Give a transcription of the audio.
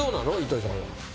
糸井さんは。